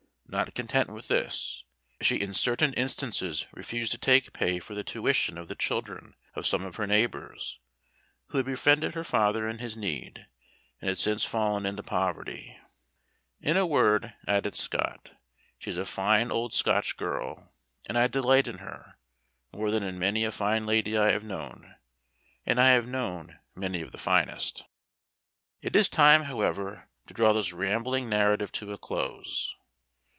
Not content with this, she in certain instances refused to take pay for the tuition of the children of some of her neighbors, who had befriended her father in his need, and had since fallen into poverty. "In a word," added Scott, "she is a fine old Scotch girl; and I delight in her, more than in many a fine lady I have known, and I have known many of the finest." It is time, however, to draw this rambling narrative to a close.